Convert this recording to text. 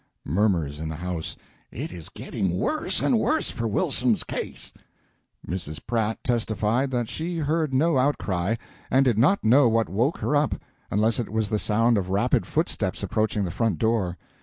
[Murmurs in the house "It is getting worse and worse for Wilson's case."] Mrs. Pratt testified that she heard no outcry, and did not know what woke her up, unless it was the sound of rapid footsteps approaching the front door.